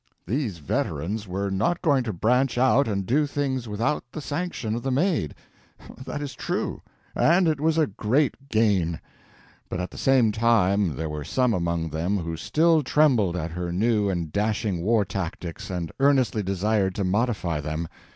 These veterans were not going to branch out and do things without the sanction of the Maid—that is true; and it was a great gain. But at the same time there were some among them who still trembled at her new and dashing war tactics and earnestly desired to modify them.